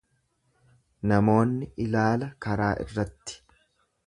Namoonni ilaala karaa irratti.